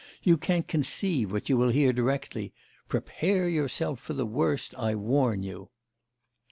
You can't conceive what you will hear directly! Prepare yourself for the worst, I warn you!